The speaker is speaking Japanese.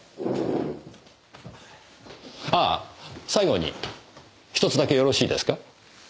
ああ最後にひとつだけよろしいですか？